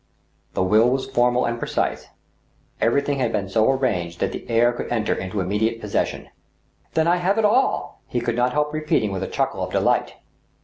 The will was formal and precise. Everything had been so ar ranged that the heir could enter into immediate possession. " Then I have it all !" he could not help repeating with a chuckle of delight.